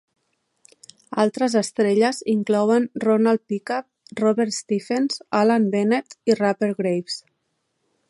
Altres estrelles inclouen Ronald Pickup, Robert Stephens, Alan Bennett i Rupert Graves.